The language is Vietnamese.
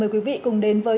mời quý vị cùng đến với